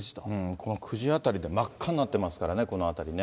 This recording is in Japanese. この９時あたりで真っ赤になってますからね、この辺りね。